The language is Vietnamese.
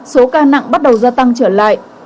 số ca nặng bắt đầu gia tăng trở lại